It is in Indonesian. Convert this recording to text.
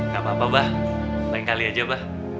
gak apa apa bah main kali aja bah